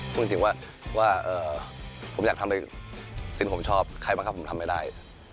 พูดจริงว่าผมอยากทำไปสิ่งผมชอบใครบังคับผมทำไม่ได้